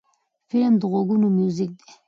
فلم د غوږونو میوزیک دی